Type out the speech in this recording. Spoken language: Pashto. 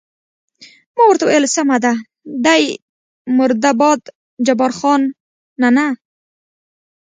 ما ورته وویل: سمه ده، دی مرده باد، جبار خان: نه، نه.